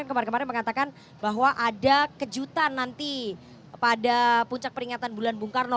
yang kemarin kemarin mengatakan bahwa ada kejutan nanti pada puncak peringatan bulan bung karno